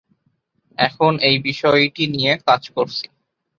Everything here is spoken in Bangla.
এখন এই বিষয়টি নিয়ে কাজ করছি।